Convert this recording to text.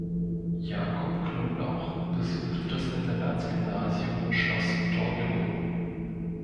Jakob Knoblauch besuchte das Internatsgymnasium Schloss Torgelow.